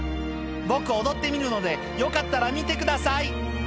「僕踊ってみるのでよかったら見てください」